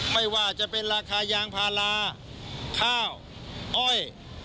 ไม่ว่าจะเป็นราคายางพาราข้าวอ้อย